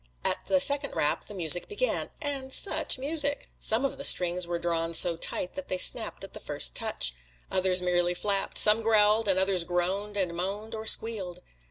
At the second rap the music began and such music! Some of the strings were drawn so tight that they snapped at the first touch; others merely flapped; some growled; and others groaned and moaned or squealed.